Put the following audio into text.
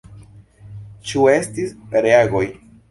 Ĉu estis reagoj?